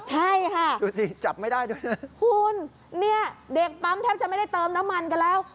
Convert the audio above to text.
ใช่ค่ะดูสิจับไม่ได้ด้วยนะคุณเนี่ยเด็กปั๊มแทบจะไม่ได้เติมน้ำมันกันแล้ว